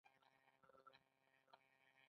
په لومړیو کې خلکو له مسو او اوسپنې ګټه اخیسته.